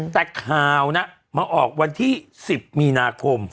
แต่ข่าวน่ะมาออกวันที่๑๐มีนาคม